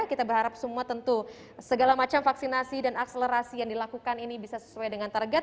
kita berharap semua tentu segala macam vaksinasi dan akselerasi yang dilakukan ini bisa sesuai dengan target